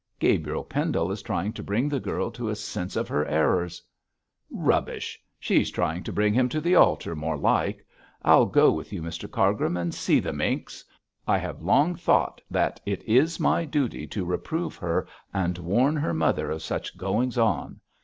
'Gabriel Pendle is trying to bring the girl to a sense of her errors.' 'Rubbish! She's trying to bring him to the altar, more like. I'll go with you, Mr Cargrim, and see the minx. I have long thought that it is my duty to reprove her and warn her mother of such goings on.